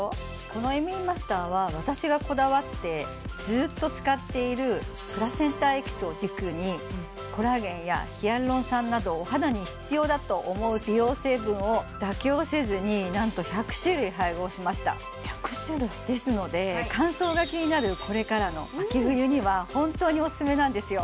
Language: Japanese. このＭＥマスターは私がこだわってずっと使っているプラセンタエキスを軸にコラーゲンやヒアルロン酸などお肌に必要だと思う美容成分を妥協せずになんと１００種類配合しましたですので乾燥が気になるこれからの秋冬には本当にオススメなんですよ